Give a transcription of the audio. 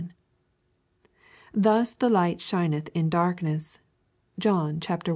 Thus the light shineth in darkness, (John i. 5.)